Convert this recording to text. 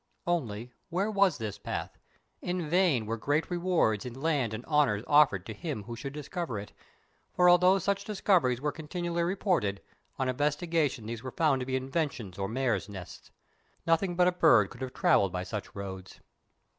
Only, where was this path? In vain were great rewards in land and honours offered to him who should discover it, for although such discoveries were continually reported, on investigation these were found to be inventions or mares' nests. Nothing but a bird could have travelled by such roads.